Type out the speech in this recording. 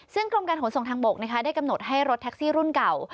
ซึ่งกรมการขนส่งทางบกได้กำหนดให้รถแท็กซี่รุ่นเก่า